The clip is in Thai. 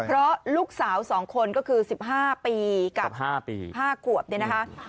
เพราะลูกสาว๒คนก็คือ๑๕ปีกับ๕ขวบเนี่ยนะคะ